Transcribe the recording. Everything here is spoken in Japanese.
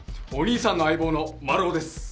お兄さんの相棒のマルオです。